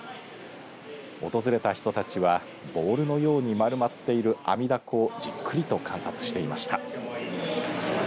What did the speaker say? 訪れた人たちはボールのように丸まっているアミダコをじっくりと観察していました。